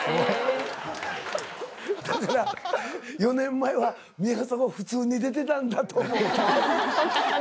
だから４年前は宮迫普通に出てたんだ！と思うと。